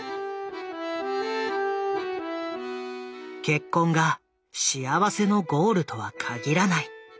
結婚が幸せのゴールとは限らない。